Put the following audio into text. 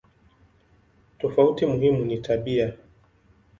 Tofauti muhimu ni tabia no.